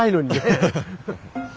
ハハハ。